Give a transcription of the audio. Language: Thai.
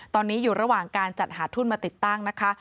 ตอนนี้อยู่ระหว่างการจัดหาทุนมาติดตั้งนะคะ